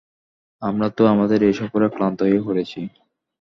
আমরা তো আমাদের এ সফরে ক্লান্ত হয়ে পড়েছি।